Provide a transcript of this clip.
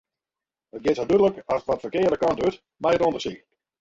It giet sa dúdlik as wat de ferkearde kant út mei it ûndersyk.